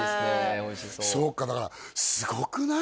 おいしそうそうかだからすごくない？